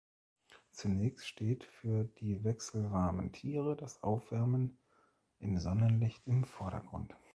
Zunächst steht für die wechselwarmen Tiere das Aufwärmen im Sonnenlicht im Vordergrund.